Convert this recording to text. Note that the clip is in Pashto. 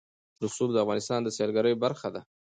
رسوب د افغانستان د سیلګرۍ برخه ده.